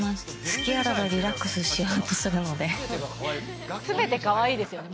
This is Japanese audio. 隙あらばリラックスしようとするすべてかわいいですよね。